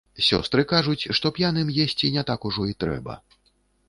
Сёстры кажуць, што п'яным есці не так ужо і трэба.